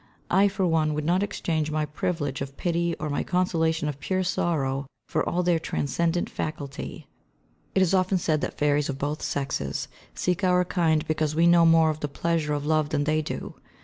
I for one would not exchange my privilege of pity or my consolation of pure sorrow for all their transcendent faculty. It is often said that fairies of both sexes seek our kind because we know more of the pleasure of love than they do.